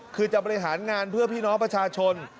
คือจะบริหารงานเพื่อพี่น้องประชาชน